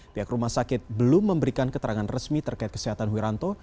pihak rumah sakit belum memberikan keterangan resmi terkait kesehatan wiranto